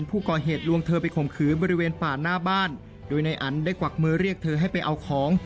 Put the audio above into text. ผู้ก่อเหตุลวงเธอไปข่มขืนบริเวณป่าหน้าบ้านโดยนายอันได้กวักมือเรียกเธอให้ไปเอาของ